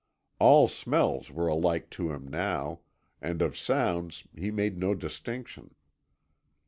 All smells were alike to him now, and of sounds he made no distinction.